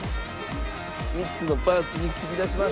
３つのパーツに切り出します。